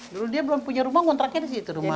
dulu dia belum punya rumah ngontraknya di situ rumah